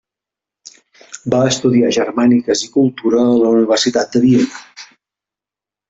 Va estudiar Germàniques i cultura a la universitat de Viena.